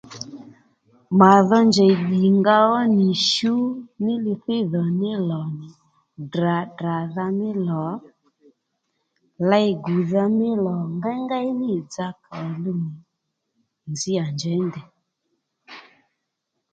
Ma dho njèy ddìnga ó nì shú ní li thíy mí lò nì Ddrà tdradha mí lò ley gùdha mí lò ngengéy nî dza kà ò luw nzǐ à njěy ndèy